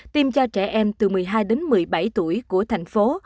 tiêm cho trẻ em từ một mươi hai đến một mươi bảy tuổi của thành phố